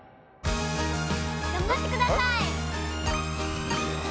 がんばってください！